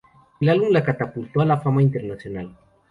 El álbum la catapultó a la fama internacional.